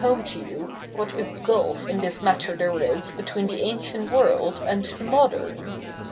ie to you what a gulf in this matter the?'e is between the ancie7it world and the 77iode?'n?